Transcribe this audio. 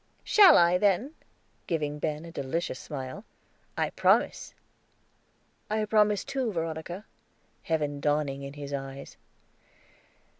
"Shall I, then?" giving Ben a delicious smile. "I promise." "I promise, too, Veronica," heaven dawning in his eyes.